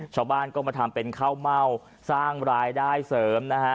ชาวบ้านก็มาทำเป็นข้าวเม่าสร้างรายได้เสริมนะฮะ